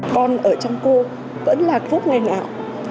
con ở trong cô vẫn là phúc ngày nào